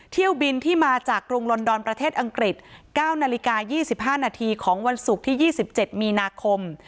เที่ยวบินที่มาจากกรุงลอนดอนประเทศอังกฤษ๙นาฬิกา๒๕นาทีของวันศุกร์ที่๒๗มีนาคม